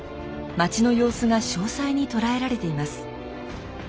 町の様子が詳細に捉えられています。